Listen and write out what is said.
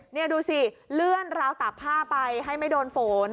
นี่ดูสิเลื่อนราวตากผ้าไปให้ไม่โดนฝน